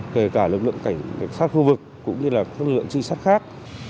kể cả lực lượng cảnh sát khu vực cũng như các lực lượng trị sát khác